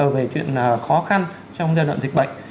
về chuyện khó khăn trong giai đoạn dịch bệnh